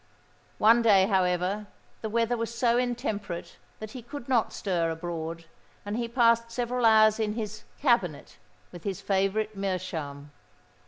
One day, however, the weather was so intemperate that he could not stir abroad; and he passed several hours in his "cabinet," with his favourite meerschaum.